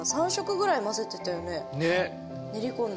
練り込んで？